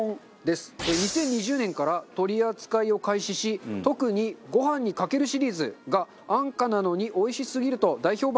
２０２０年から取り扱いを開始し特にご飯にかけるシリーズが安価なのにおいしすぎると大評判。